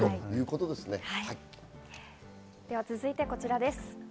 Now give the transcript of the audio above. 続いてこちらです。